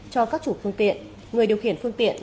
cho các chủ phương tiện người điều khiển phương tiện